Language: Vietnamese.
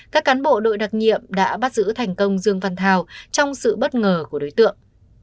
các cán bộ đội đặc nhiệm đã bắt giữ thành công dương văn thao trong sự bất ngờ của đối tượng